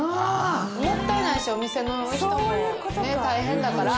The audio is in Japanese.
もったいないしお店の人もね大変だから。